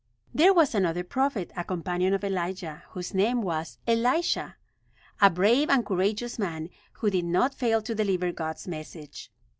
There was another prophet, a companion of Elijah, whose name was Elisha, a brave and courageous man who did not fail to deliver God's message.